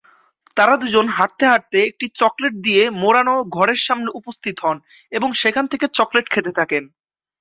তারা দুজন হাঁটতে হাঁটতে একটি চকলেট দিয়ে মোড়ানো ঘরের সামনে উপস্থিত হন এবং সেখান থেকে চকলেট খেতে থাকেন।